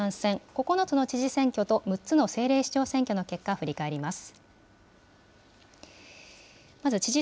９つの知事選挙と６つの政令市長選挙の結果を振り返ります。